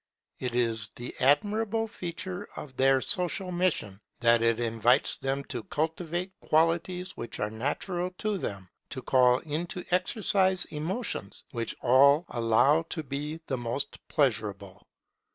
It is the admirable feature of their social mission, that it invites them to cultivate qualities which are natural to them; to call into exercise emotions which all allow to be the most pleasurable.